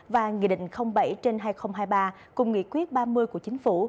và nghị định bảy trên hai nghìn hai mươi ba cùng nghị quyết ba mươi của chính phủ